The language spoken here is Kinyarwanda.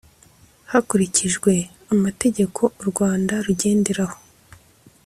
hakurikijwe amategeko u rwanda rugenderaho